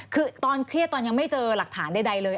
คือตอนเครียดตอนยังไม่เจอหลักฐานใดเลย